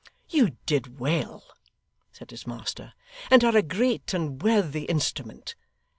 'You did well,' said his master, 'and are a great and worthy instrument.